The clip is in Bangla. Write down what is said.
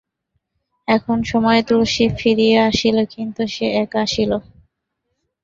এমন সময় তুলসী ফিরিয়া আসিল, কিন্তু সে একা আসিল।